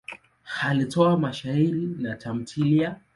Alitoa mashairi na tamthiliya.